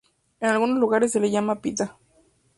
En algunos lugares se le llama pita.